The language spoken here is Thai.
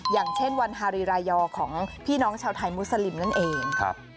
อย่างเช่นวันฮารีรายอร์ของพี่น้องชาวไทยมุสลิมนั่นเอง